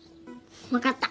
分かった。